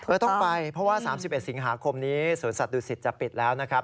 ต้องไปเพราะว่า๓๑สิงหาคมนี้สวนสัตว์ดูสิตจะปิดแล้วนะครับ